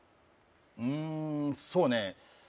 うんそうね